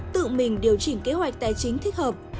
tự mình điều chỉnh kế hoạch tài chính thích hợp